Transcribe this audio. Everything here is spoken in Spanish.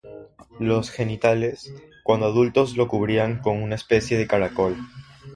Los genitales, cuando adultos lo cubrían con una especie de caracol.